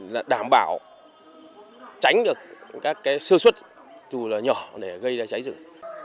là đảm bảo tránh được các cái sơ xuất dù là nhỏ để gây ra cháy rừng